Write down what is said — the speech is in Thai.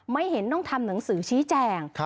ไม่เห็นต้องทำหนังสือชี้แจง